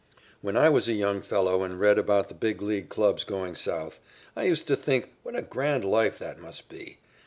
When I was a young fellow and read about the Big League clubs going South, I used to think what a grand life that must be.